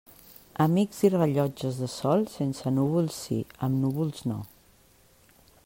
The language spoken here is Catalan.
Amics i rellotges de sol, sense núvols sí, amb núvols no.